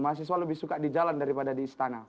mahasiswa lebih suka di jalan daripada di istana